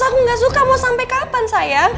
aku gak suka mau sampai kapan saya